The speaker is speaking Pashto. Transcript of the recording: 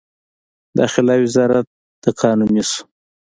داخله وزارت د قانوني شو.